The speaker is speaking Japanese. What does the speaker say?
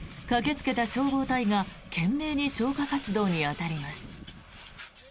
駆けつけた消防隊が懸命に消火活動に当たります。